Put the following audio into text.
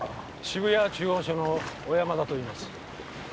渋谷中央署の小山田といいます